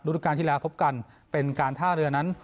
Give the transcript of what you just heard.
ดูการที่แล้วพบกันเป็นการท่าเรือนั้น